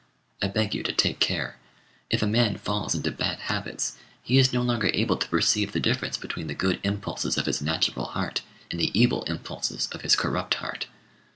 I beg you to take care. If a man falls into bad habits, he is no longer able to perceive the difference between the good impulses of his natural heart and the evil impulses of his corrupt heart.